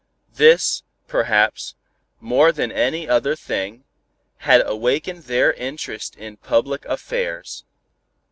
This, perhaps, more than any other thing, had awakened their interest in public affairs.